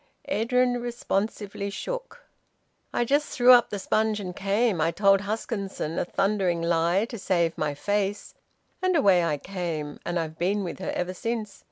Edwin responsively shook. "I just threw up the sponge and came. I told Huskisson a thundering lie, to save my face, and away I came, and I've been with her ever since.